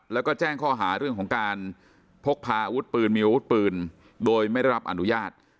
แล้วก็แจ้งข้อหาเรื่องของการพกพาอาวุธปืนมีอาวุธปืนโดยไม่ได้รับอนุญาต